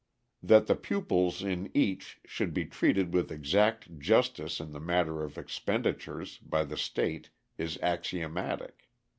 That the pupils in each should be treated with exact justice in the matter of expenditures by the state is axiomatic.